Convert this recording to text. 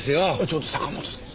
ちょっと坂本さん。